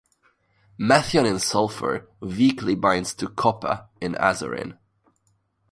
Methionine sulfur weakly binds to copper in azurin.